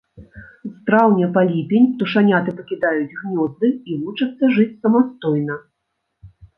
З траўня па ліпень птушаняты пакідаюць гнёзды і вучацца жыць самастойна.